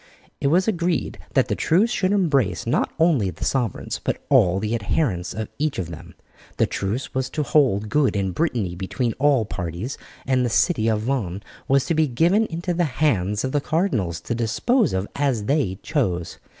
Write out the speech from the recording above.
It was agreed that the truce should embrace not only the sovereigns, but all the adherents of each of them. The truce was to hold good in Brittany between all parties, and the city of Vannes was to be given into the hands of the cardinals to dispose of as they chose.